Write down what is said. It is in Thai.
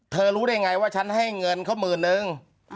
รู้ได้ไงว่าฉันให้เงินเขาหมื่นนึง